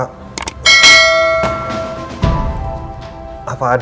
ricky sepupunya para fail